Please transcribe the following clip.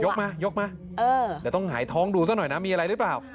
มายกมาเดี๋ยวต้องหายท้องดูซะหน่อยนะมีอะไรหรือเปล่า